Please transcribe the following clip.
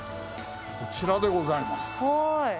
こちらでございます。